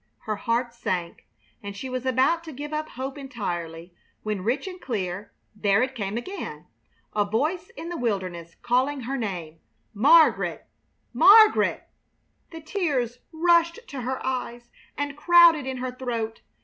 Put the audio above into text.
Her heart sank, and she was about to give up hope entirely, when, rich and clear, there it came again! A voice in the wilderness calling her name: "Margaret! Margaret!" The tears rushed to her eyes and crowded in her throat.